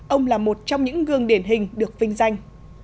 ông là một trong những gương điển hình được vinh danh